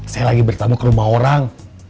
saya lagi bertemu ke rumah orang